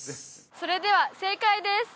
それでは正解です